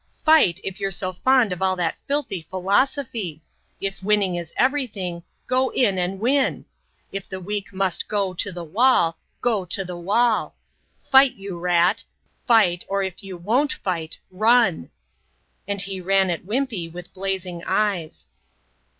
Fight, if you're so fond of all that filthy philosophy! If winning is everything, go in and win! If the weak must go to the wall, go to the wall! Fight, you rat! Fight, or if you won't fight run!" And he ran at Wimpey, with blazing eyes.